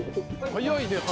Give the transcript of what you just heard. はい。